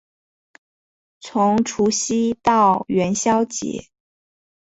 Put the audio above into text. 从除夕到元宵节